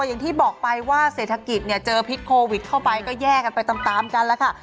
อย่างที่บอกไปว่าเศรษฐกิจเนี่ยเจอพิษโควิดเข้าไปก็แย่กันไปตามกันแล้วค่ะ